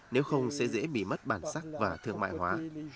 nếu không sẽ dễ bị mất bản sắc và thương mại hóa